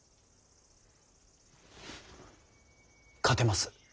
勝てます